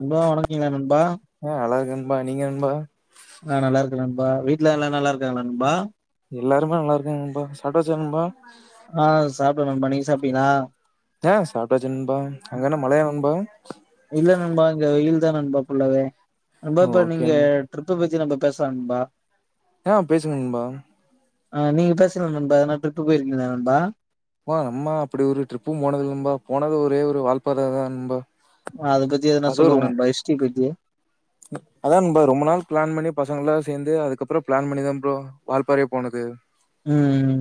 நண்பா வணக்கிங்ளா நண்பா ஆ நல்லா இருக்கே நண்பா நீங்க நண்பா நா நல்லா இருக்கே நண்பா வீட்ல எல்லா நல்லா இருக்காங்களா நண்பா எல்லாருமே நல்லா இருக்காங்க நண்பா சாப்டாச்சா நண் பா ஆ சாப்டே நண்பா நீங்க சாப்டீங்ளா ஆ சாப்ட்டாச்சு நண்பா அங்க என்னா மழையா நண்பா இல்ல நண்பா இங்க வெயில் தா நண்பா ஃபுல்லாவே [unintelligible] இப்ப ஓகே நீங்க நண் ட்ரிப்ப பத்தி நம்ம பேசலா நண்பா ஆ பேசுங்க நண்பா ஆ நீங்க பேசல நண்பா எதுனா ட்ரிப்பு போயிருக்கிங்ளா நண்பா போலா நம்ம அப்டி ஒரு ட்ரிப்பும் போனது இல்ல நண்பா போனது ஒரே ஒரு வாழ்ப்பாற தா நண்பா அத பத்தி எதுனா அது சொல்லுங்க ரொம் நண்பா ஹிஸ்ரி பத்தி அதா நண்பா ரொம்ப நாள் பிளான் பண்ணி பசங்கெல்லா சேந்து அதுக்கப்றோ பிளான் பண்ணிதா ப்ரோ வால்பாறையே போனது ம்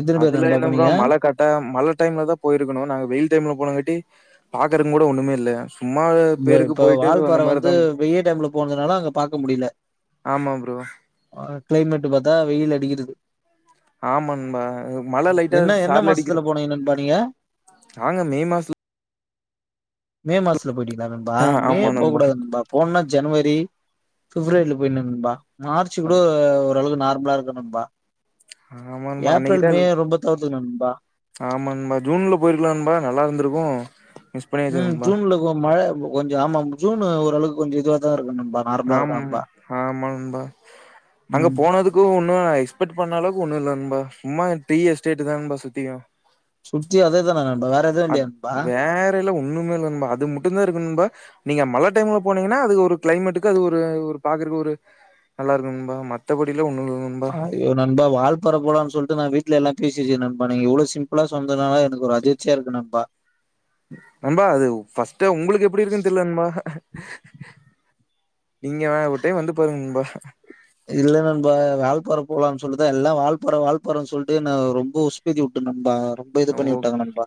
எத்தன பேர் அதுல நண்பா என்ன ப்ரோ போனீங்க மழ கர்ட்டா மழை டைம்ல தா போயிருக்கணு நாங்க வெயில் டைம்ல போனங்காட்டி பாக்குறதுங்கு கூட ஒண்ணமே இல்ல சும்மா வ பேருக்கு இப்ப போயிட்டு வால்பாற அந்த வந்து மாரிதா வெயில் டைம்ல போனதுனால அங்க பாக்க முடியல ஆமா ப்ரோ ஆ கிளைமேட் பாத்தா வெயில் அடிக்குது ஆமா நன்பா மழ லைட்டா என்ன என்ன சாரல் அடிக்கிற மாசத்துல போனீங்க நண்பா நீங்க நாங்க மே மாசத் மே மாசத்துல போயிட்டீங்களா நண்பா ஆ மே ஆமா போகக் கூடாது நண்பா போனுனா ஜனவரி பிப்ரவரியில போய்றனும் நண்பா மார்ச் கூட ஓரளவு நார்மலா இருக்கும் பா ஆமா நண்பா ஏப்ரல் அன்னைக்குதா மே ரொம்ப தவிர்த்துக்கணு நண்பா ஆமா நண்பா ஜூன்ல போயிருக்கலாம் நண்பா நல்லா இருந்திருக்கும் ம் ஜூன்ல கொ மழ கொஞ்ச ஆமா ஜூனு ஒரு அளவுக்கு கொஞ்ச இதுவா தா இருக்கு நண்பா நார்மலா ஆம் இருக்கு நண்பா ஆமாங்பா அங்க ம் போனதுக் அது ஒன்னு நா எக்ஸ்பெட் பண்ண அளவுக்கு ஒன்னு இல்ல நண்பா சும்மா டீ எஸ்டேட் தா நண்பா சுத்தியு சுத்தி அதே தான நண்பா வேற என்ன அ வேறல்லா ஒண்ணுமே இல்ல நண்பா அது மட்டும்தா இருக்கு நண்பா நீங்க மழ டைம்ல போனீங்கன்னா அது ஒரு கிளைமேட்டுக்கு அது ஒரு பாக்குறதுக்கு ஒரு நல்லா இருக்கு நண்பா மத்த படிலா ஒண்ணு இல்ல நண்பா [unintelligible] ஐயோ நண்பா வால்பாற போலானு சொல்ட்டு நா வீட்ல எல்லா பேசி வச்சிருக்க நண்பா நீ இவ்ளோ சிம்ப்லா சொன்துனால எனக்கு ஒரு அர்ஜ் சேரிங்க நண்பா நண்பா அது ஃபர்ஸ்ட் உங்களுக்கு எப்டி இருக்குன்னு தெரில நண்பா இங்க ஒரு டைம் வந்து பாருங்க நண்பா இல்ல நண்பா வால்பாற போலானு சொல்ட்டுதா எல்லா வால்பாற வால்பாறனு சொல்ட்டு நா ரெம்போ சுசு ஏத்தி விட்ட நண்பா ரொம்ப இது பண்ணி விட்டாங்க நண்பா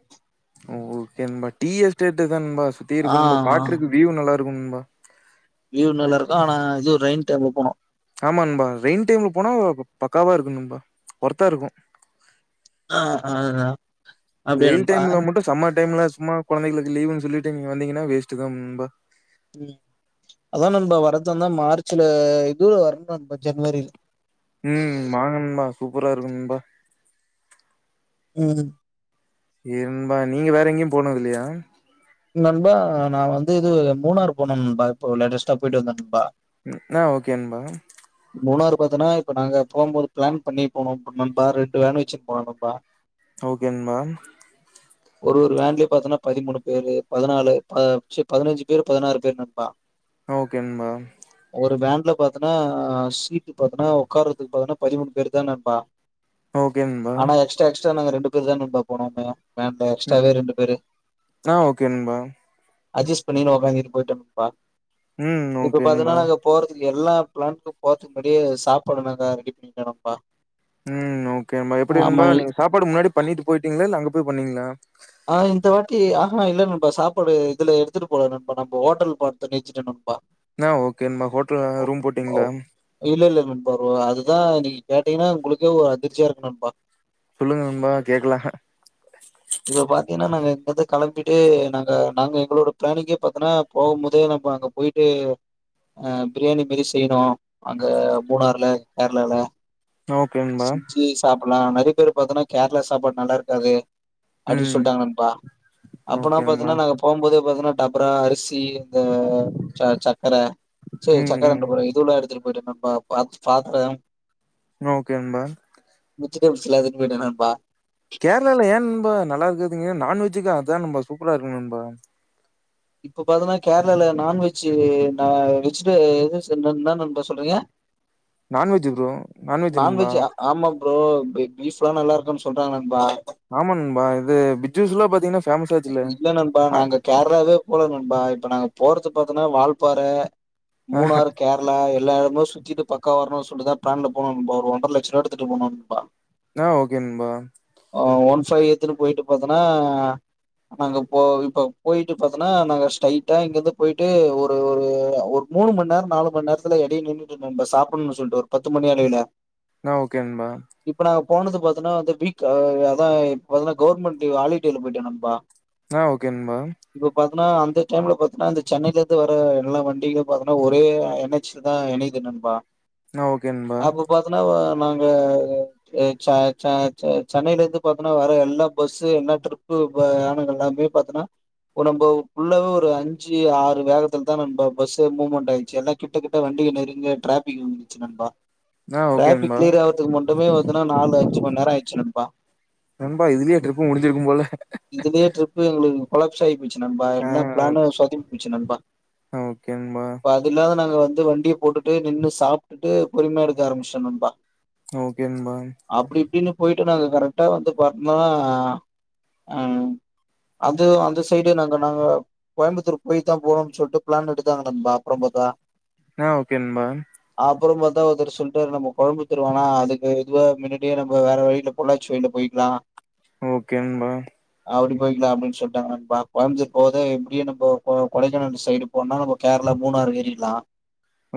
ஓகேண்பா டீ எஸ்டேட் தான்பா சுத்தி ஆ இருக்குணும் பா பாக்குறக்கு வியூ நல்லா இருக்குனும்பா வியூ நல்லா இருக்கும் ஆனா இது ரெயின் டைம்ல போனோ ஆமா நண்பா ரெயின் டைம்ல போனா பக்காவா இருக்கும் நண்பா ஒர்த்தா இருக்கும் ஆ ஆ அப்டியா வெயில் நண்பா டைம்ல மட்டு‌ சம்மர் டைம்ல சும்மா குழந்தைளுக்கு லீவுன்னு சொல்ட்டு நீங்க வந்தீங்ன்னா வேஸ்ட் தா நண்பா உம் அதா நண்பா வரதுந்தா மார்ச்ல இதுல வரணு [unintelligible] ஜனவரி ல ம்ம் வாங்க நண்பா சூப்பரா இருக்கு நண்பா [unintelligible] நண்பா நீங்க வேற எங்கேயு போனது இல்லயா நண்பா நா வந்து இது மூணார் போன நண்பா இப்ப லேட்டஸ்டா போய்ட்டு வந்த நண்பா ஆ ஓகேன்பா மூணாறு பாத்தன்னா இப்ப நாங்க போகும்போது பிளான் பண்ணி போனோ நண்பா ரெண்டு வேனு வச்சு போனோ நண்பா [inaudible] ஓகே நண்பா ஒரு ஒரு வேன்லயு பாத்தன்னா பதிமூணு பேரு பதினாலு பத்ஞ் பதினஞ்சு பேரு பதினாறு பேரு நண்பா ஆ ஓகே நம்பா ஒரு வேன்ல பாத்தன்னா சீட் பாத்தன்னா உட்காரதுக்கு பாத்தன்னா பதிமூணு பேரு தா நம்பா ஓகே நண்பா ஆனா எக்ஸ்ட்ரா எக்ஸ்ட்ரா நாங்க ரெண்டு பேரு தா வந்து போனோமே வேன்ல ந எக்ஸ்ட்ராவே ரெண்டு பேரு ஆ ஓகே நம்பா அட்ஜஸ்ட் பண்ணின்னு உட்காந்துனே போயிட்டேம்பா ம் இப்ப ஓகே நண்பா பாத்தீனா நாங்க போறதுக்கு எல்லா பிளானுக்கு போறதுக்கு முன்னாடியே சாப்பாடு நாங்க ரெடி பண்ணிடோ நண்பா ம் ஓகேமா எப்படி நண்பா நீங்க சாப்பாடு முன்னாடி பண்ணிட்டு போயிட்டீங்களா இல்ல அங்க போய் பண்ணீங்களா ஆ இந்த வாட்டி ஆ ஹா இல்ல நண்பா சாப்பாடு இதுல எடுத்துட்டு போல நண்பா நம்மோ ஹோட்டல்ல பாத்து நீச்சுட்டே நண்பா ஆ ஓகே நண்பா ஹோட்டல்லல ரூம் ஓ போட்டீங்ளா இல்ல இல்ல நண்பா ஒரு அதுதா இன்னைக்கி கேட்டீங்கன்னா உங்களுக்கே ஒரு அதிர்ச்சியா இருக்கு நண்பா சொல்லுங்க நண்பா கேக்கலா இப்ப பாத்தீனா நாங்க இங்கிருந்து கெளம்பிட்டு நாங்க நாங்க எங்களோட பிளானிங்கே பாத்தனா போவும் போதே நம்ம அங்க போயி ட்டு அ பிரியாணி மாரியே செய்றோ அங்க மூணார்ல கேரளால ஓகே நண்பா இது சாப்பிலா நெறைய பேரு பாத்தன்னா கேரளா சாப்பாடு நல்லா இருக்காது அப்டி ம் சொல்லிட்டாங்க நண்பா அப்பனா ஓகே நண்பா பாத்தீனா நாங்க போம்போதே பாத்தீன்னா டபரா அரிசி இந்த ச சக்கர சே ம் ம் சக்கரன்ரே பாரு இது உள்ள எடுத்துட்டு போயிட்டே நண்பா பாத் பாத்தரம் ஓகே நண்பா வெஜிடபிள்ஸ்லா எடுத்துட்டுபோயிட்டே நண்பா கேரளால ஏ நண்பா நல்லாயிருக்காதுனீங்க நான்வெஜ்க்கு அதா நண்பா சூப்பரா இருக்கு நண்பா இப்ப பாத்தனா கேரளால நான்வெஜ்ஜூ நா வெஜ்டுடேஸ் என்ன நண்பா சொல்றீங்க நான்வெஜ் ப்ரோ நான்வெஜ் நண்பா ஆமா ப்ரோ இங்க பீஃப்லா நல்லா இருக்குனு சொல்றாங்க நண்பா ஆமா நண்பா இது பிஜ்சுஸ்லா பாத்தீங்கனா ஃபேமஸ் ஆச்சுல இல்ல நண்பா ஆய் நாங்க கேரளாவே போல நண்பா இப்ப நாங்க போறது பாத்தனா வால்பாற மூணாறு கேரளா எல்லா எடமு சுத்திட்டு பக்காவா வரனுன் சொல்லிட்டு தா பிளான்ல போனோ நண்பா ஒரு ஒன்ர லச்சரூவா எடுத்துட்டு போனோ நண்பா ஆ ஓகே நண்பா அ ஒன் ஃபைவ் எத்துனு போயிட்டு பாத்தனா அங்க போ இப்ப போயிட்டு பாத் தனா நாங்க ஸ்டேட்டா இங்கேர்ந்து போயிட்டு ஒரு ஒரு ஒரு மூனு மணி நேர நாலு மணி நேரத்துல எடைல நின்னு இப்ப நம்ம சாப்பினு சொல்லிட்டு ஒரு பத்து மணி அளேல நா ஓகே நண்பா இப்ப நாங்க போனது பாத்தேனா வந்து பீக் அ அதா இப்ப பாத்தேனா கவர்மென்ட் ஹாலிடேல போயிடே நண்பா ஆ ஓகே நண்பா இப்ப பாத்தனா அந்த டைம்ல பாத்தனா இந்த சென்னேல இருந்து வர்ற எல்லா வண்டியுமே பாத்தனா ஒரே என் எச் ல தா எனைது நண்பா நா ஓகே நண்பா பாத்தனா நாங்க சே ச ச ச சென்னைல இருந்து பாத்தனா வர்ற எல்லா பஸ்சு என்ன ட்ரிப்பு வயானங்கெல்லாமே பாத்தனா ஒடம்பு புல்லாவ ஒரு அஞ்சு ஆறு வேகத்துலதா நண்பா பஸ்ஸீ மூவ்மெண்ட் ஆயிடுச்சி எல்லா கிட்ட கிட்ட வண்டி நெருங்க டிராஃபிக் வந்திருச்சி நண்பா ஆ ஓகே டிராஃபிக் நண்பா கிளியர் ஆவுறதுக்கு மட்டுமே பாத்தனா நாலு அஞ்சு மண் நேர ஆயிடுச்சி நண்பா நண்பா இதுலயே ட்ரிப்பு முடிஞ்சிருக்கு போல இதுலயே ட்டிரிப்பு எங்களுக்கு கொலாப்ஸ் ஆயி போயிடுச்சி நண்பா எல்லா பிளானு ஆ சொதப்பி போச்சு நண்பா ஓகே நண்பா அதுனால நாங்க வந்து வண்டிய போட்டுட்டு நின்னு சாப்டுட்டு பொறுமையா எடுக்க ஆரம்பிச்டோ நண்பா ஓகே நண்பா அப்டி இப்டின்னு போயிட்டு நாங்க கரெக்டா வந்து பாத்தோனா அம் அது வந்துஸ் போயிட்டு நாங்க நாங்க கோயமுத்தூர் போயித்தான் போனும் சொல்ட்டு ப்ளான் எடுத்தாங்க நண்பா அப்றம்பாத்தா நா ஒகே நண்பா அப்பறம் பாத்தா ஒருத்தர் சொல்ட்டாரு நம்ம கோயமுத்தூர் வேணா அதுக்கு இதுவ மினிட்டே நம்ப வேற வழிலப் பொல்லாச்சி ஒயிண்ட போயிக்லா ஓக்கே நண்பா அப்டி போயிக்குலா அப்டினு சொல்டாங்க நண்பா கோயமுத்தூர் போவத எப்டியு நம்போ கொ கொடைக்கானல் சைடு போனாநம்ம கேர்ளா மூணாறு ஏறிர்லா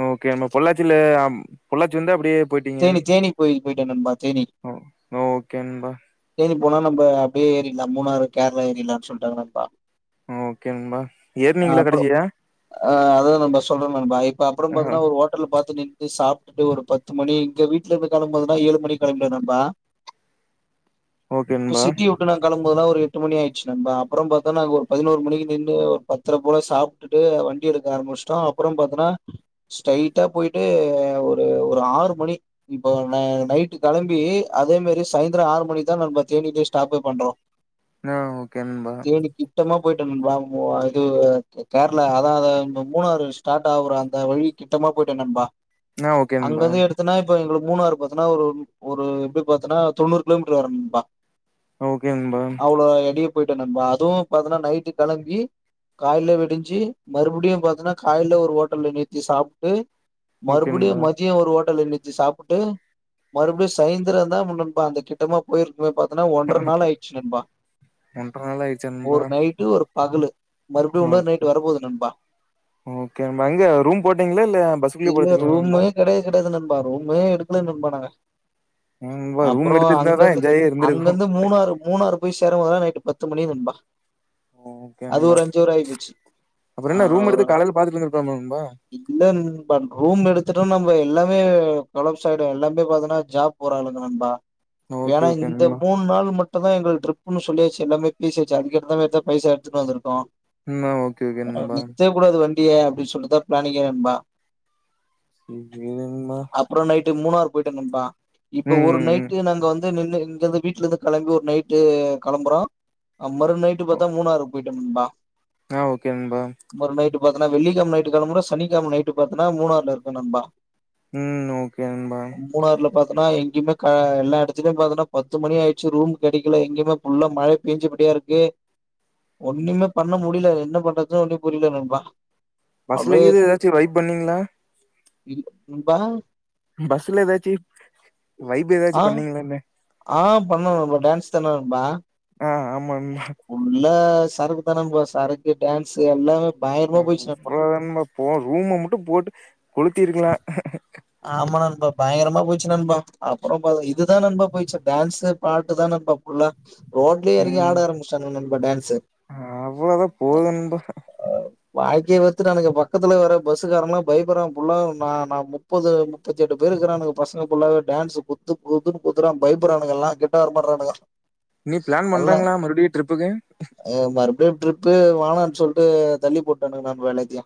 ஓக்கேண்பா பொள்ளாச்சில அம் பொள்ளாட்சி வந்து அப்டியே போயிட்டீங்க தேனி த்தேனி போய் போய்ட்டோ நண்பா தேனி ஓ ஓகேண்பா தேனீ போனா நம்ப அப்டியே ஏறிர்லா மூணாறு கேர்ளா ஏறிர்லான் சொல்ட்டாங்க நண்பா ஓகேங்கம்பா ஏர் நீீங்களா அப்புறோ கடசீர ஆ அதாவ்து நண்பா சொல்ற நண்பாஇப்ப அப்றம் ஆஹ பாத்தனா ஒரு ஓட்டல பார்த்து நிறுத்தி சாப்டுட்டு ஒரு பத் து மணி இங்க வீட்லேந்து கெளம்போதுன்னா ஏழு மணி கெளம்பிட்டோ நண்பா ஓகே இப்ப நண்பா சிட்டிய உட்டுனா களம்போதுலா ஒரு எட்டு மணி ஆயிட்ச்சி நண்பா அப்றம்பாத்தனா அங்க ஒரு பதினொரு மணிக்கு நின்னு பத்தர போல சாப் டுட்டு வண்டி எடுக்க ஆரம்மிச்ட்டோ அப்பறம் பாத்தனா ஸ்டைட்டா போயிட்டு ஒரு ஒரு ஆறு மணி இப்போ ந நைட்டு கெளம்பி அதே மாரி சாய்ந்தரம் ஆறு மணிக்குதா நண்பா தேனீலயே ஸ்டாப்பே பண்றோ ன ஓக்கே நண்பா கிட்டமா போயிட்டோ நண்பா ஓ இது கேர்ளா அதா மூணாறு ஸ்டார்ட் ஆவுற அந்த வழி கிட்டமா போயிட்டோ நண்பா ஆ ஓகே நண்பா அங்கந்து எடுத் தன்னா இப்ப எங்களுக்கு மூணாறு பாத்தன்னா ஒரு ஒரு எப்டி பாத்தன்னா தொண்ணூறு கிலோமீட்டர் வருண்பா ஓகே நண்பா அவ்ளோ எடையு போயிட்டோ நண்பா அதுவு பாத்தன்னா நைட்டு கெளம்பி கால்ல விடிஞ்சி மறுபடியு பாத்தேனா காலைல ஒரு ஓட்டல்ல நிறுத்தி சாப் டு ஓகே மறுபடியு நண்பா மச் ஜியோ ஒரு ஓட்டல்ல நிறுத்தி சாப்புட்டு மறுபடியு சயிந்திரோ தா நண்பா அந்த கிட்டமா போயிரு ப்பவே பாத்தோன்னா ஒன்ற நாள் ஆயிச்சு நண்பா ஒன்ற நாள் ஆயிர்ச்சான் ஒரு நைட்டு ஒரு பகலு மறுபடியு உன்னொரு ஓகே நைட் வர போது நண்பா ஓகே நண்பா எங்க ரூம் போட்டீங்ளா இல்ல பஸ்க்குள்ளயே படுத்துடீங் ரூம்மே கெடையே கெடையாது நண்பா ரூமே எடுக்ல நண்பா நாங்க ஏ நண்பா ரூம் அப்றோ எடுத்திருந்தாதா அங்கந்து என்ஜாயே இருந்திருக்கு அங்கந்து மூணாறு மூணாறு போய் சேர போதல்லா நைட்டு பத்து மணி நண்பா ஓகே அது நண்பா ஒரு அஞ்சு அவர் ஆயி போச்சு அப்புற என்ன ரூம் ஆறவரு எடுத்து காலைல பாத்துட்டு வந்திருக்கலாம்ல நண்பா இல்ல நண்பா ரூம் எடுத்து ட்டு நம்ம எல்லாமே கொளாப்ஸ் ஆயிடு எல்லாமே பாத்தன்னா ஜாப் போற ஆளுங்க நண்பா ஓகே ஏன்னா ஓகே இந்த நண்பா மூண் நாள் மட் ட்டுந்தா எங்குளுக்கு ட்ரிப்புனு சொல்லியாச்சு எல்லாமே பேசியாச்சு அங்க இருந்து வேறந்தபைசா எடுத்துட்டு வந்துருக்கோ ம் அ ஓகே ஓகே நண்பா கூடாது வண்டிய அப்டின் சொல்லிட்டு தா பிளானிங்கே நண்பா [unintelligible] அப்றோ நைட்டு மூணாறு போயிட்ட நண்பா இப்ப ம் ஒரு ம் நைட் ட்டு ம் நாங்க வந்து நின்னு இங்கருந்து வீட்டுலருந்து கெளம்பி ஒரு நைட்டு கெளம்புறோ மறு நைட்டு பாத்தா மூணாறு போயிட்டோ நண்பா ஆ ஓகே நண்பா ஒரு நைட்டு பாத்தன்னா வெள்ளிக்கெழம நைட்டு கெளம்புறோ சனிக்கெழம நைட்டு பாத்தனா மூணாறுல இருக்கோ நண்பா ம் ஓகேங் மூணாறுல பாத்தன்னா எங்கயுமே க எல்லா எடத்துலயு பாத்தன்னா பத்து மணி ஆயிட்சி ரூம் கெடைக்கல எங்கேமே ஃபுல்லா மழ பேய்ஞ்சபடியா இருக்கு ஒன்னுமே பண்ண முடில அது என்ன பண்றதுன்னே ஒன்னு புரில நண்பா பஸ்ல அப்டியே இது ஏதாச்சி வைப் பண்ணீங்ளா இருக் நண்பா பஸ்ல ஏதாச்சி வைப் ஏதாச்சி ஆ பண்ணீங்ளா இன்ன ஆ பண்னோ நண்பா டேன்ஸ் தானே நண்பா ஆ ஆம் ஆமா ஃபுல்லா சரக்கு தா நண்பா சரக்கு டான்ஸ்சு எல்லாமே பயங்கரமா போயிட்சி நண்பா அவ்ளோதா நண்பா போ ரூம மட்டு போட்டு கொளுத்திரிக்கலா ஆமா நண்பா பயங்கரமா போச்சு நண்பா அப்றோ பா இதுதா நண்பா போயிட்சி டேன்ஸ்சு பாட்டு தா நண்பா ஃபுல்லா ரோட்லயே ஏறங்கி ம் ஆட ஆரம்பிச்சிடாங்க நண்பா டான்ஸ்சு அவ்ளோதா போது நண்பா வாழ்க்கையே வெறுத்துட்டானுங்க பக்கத்துல வர பஸ்சுக்காரங்லா பயப்புட்றானுங்க ஃபுல்லா நா நா முப்பது முப்பத்தெட்டு பேர் இருக்ககுறானுங்க பசங்க ஃபுல்லாவே டான்ஸ் குத்து குத்துனு குத்துறா பயப்பட்றானுங்க எல்லா ஃபிராடு பண்றானுங்கோ இனி பிளான் பண்றாங்ளா மறுபடி ட்ரிப்புக்கு எ மறுபடியு ட்ரிப்பு வேணான் சொல்டு தள்ளி போட்டானுங்க நண்பா எல்லாத்தையு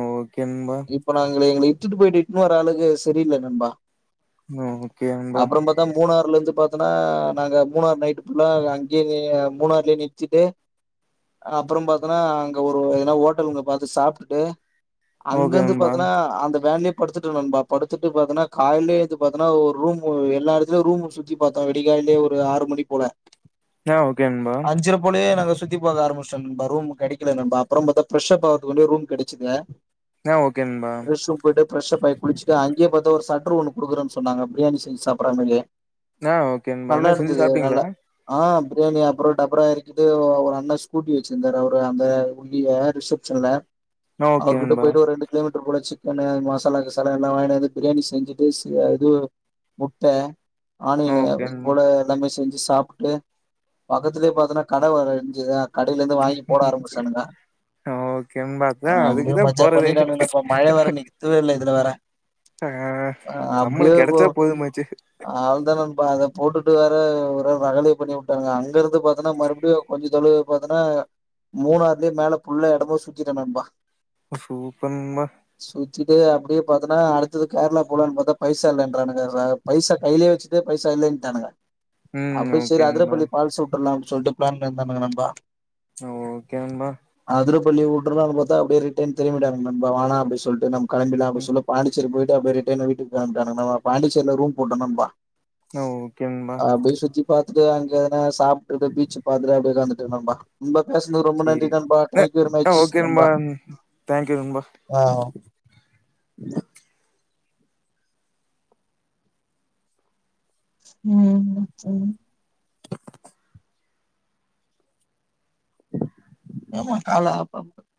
அ ஓகே நண்பா இப்ப நாங்க எங்கள எங்கள இட்டுட்டு போயிட்டு இட்டுன்னு வர ஆளுக்கு சரியில்ல நண்பா ஆ ஓகே நண்பா அதா மூணார்ல இருந்து பாத்தன்னா நாங்க மூணாறு நைட்டு ஃபுல்லா அங்கயே மூணாறுலயே நிறுத்திட்டு அப்புறம் பாத்தேன்னா அங்க ஒரு ஏதனா ஹோட்டலுங்க பாத்து சாப்டுட்டு ஓகே அங்கந்து நண்பா பாத்தன்னா அந்த வேன்லேயே படுத்துட்டோ நண்பா படுத்துட்டு பாத்தனா கால்லையே எழுந்து பாத்தினா ஒரு ரூம் எல்லா எடத்துலயு ரூம் சுத் சுத்திபாத்தோ வெடிகால்லயே ஒரு ஆறு மணி போல ஆ ஓகே நண்பா அஞ்சரை போலேயே நாங்க சுத் சுத்தி பாக்க ஆரம்பிஷ்டோ நண்பா ரூம் கெடைக்கல நண்பா அப்றோ பாத்தா ஃபிரெஷ்அப் ஆவுறதுக்குள்ளே ரூம் கெடைச்சது ஆ ஓகே நன்பா போயிட்டு ஃப்ரெஷ்அப் ஆயி குளிசுட்டு அங்கே பாத்த ஒரு சட்ரு ஒன்னு குடுக்குறேன்னு சொன்னாங்க பிரியாணி செஞ்சு சாப்புட்ற மாரியே நா ஓகே நண்பா என்ன செஞ்சு சாப்டீங்ளா ஆ பிரியாணி அப்றோ டபரா எறக்கிட்டு ஒ ஒ ஒரு அண்ணா ஸ்கூட்டி வெச்சினு இருந்தரு அவரு அந்த ஒல்லியா ரிஷப் சொல்லுணா ஆ ஓகே அவர்கிட்ட நண்பா போயிட்டு ஒரு ரெண்டு கிலோமீட்டர் போல சிக்கனு மாச க்கு செலவெல்லா வாங்கினு வந்து பிரியாணி செஞ்சுட்டு ச இதுவு முட்ட ஆனியனு ஓகே அது நண்பா போல எல்லாமே செஞ்சி சாபுட்டு பக்கத்துலேயே பாத்தேன்னா கடை வேற இருந்ததா கடையில இருந்து வாங்கி போட ஆரம்பிஷ்டனுங்க ஓகே நண்பா ஆ அதா அப்டியே அதுக்குதா மஜ்ஜா போறதே பண்ணிடானுங்கடாப்பா மழை வர இன்னிக்கு தூ தூறல் இதுலவேற ஆ அப்டியே நம்மளுக்கு போ கெடச்சா போதுமாச்சு அவள்தா நண்பா அத போட்டுட்டு வேற ஒரே ரகலய பண்ணிவுட்டானுங்க அங்கறந்து பாத்தன்னா மறுபடியு கொஞ்ச தொலுவு பாத்தன்னா மூணாறுலயே மேல ஃபுல்லா எடமு சுத்திட்டே நண்பா சூப்பர் நண்பா சுத் திட்டு அப்டியே பாத்தன்னா அடுத்தது கேரளா போலனு பாத்தா பைச இல்லறானுங்க பைசா கையிலே வச்சிட் டே பைசா இல்லன்டானுங்க ம் அப்டியே ஓகே சரி அதுர நண்பா பள்ளி ஃபால்சு வுட்டுறலா அப்டின்னு சொல்லிட்டு ப்ளான் பண்ணிருந்தனுங்க நண்பா ஓகே நண்பா அதுர பள்ளி வுட்றுலானு பாத்தா அப்டியே ரிட்டர்ன் திரும்பிடானுங்க நண்பா வேணா அப்டி சொல்ட்டு நம் கெளம்பிறலா அப்டி ம் சொல்ல பாண்டிசேரி போயிட்டு அப்டியே ரிட்டன் வீட்டுக்கு கெளம்பிடானுங்கங்க பாண்டச்சேரில ரூம் போட்டோ நண்பா ஓகே நண்பா அப்டியே சுத்தி பாத்துட்டு அங்கே எதனா சாப்பிட்டுட்டு பீச்சு பாத்துட்டு அப்டியே உக்காந்துட்டேன் நண்பா ரொம்ப பேசுனது ரொம்ப நன்றி சேரி நண்பா டேங்க்யூ அ வெரிமச் ஓகே நண்பா தேங்க்யூ நண்பா ஆ ம் சேரி ஏமா கால்ல அப்